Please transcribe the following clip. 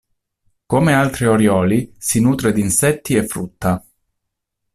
Come altri orioli, si nutre di insetti e frutta.